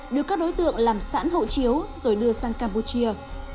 được các đối tượng làm sẵn hậu chiếu rồi đưa sang campuchia